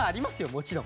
もちろん。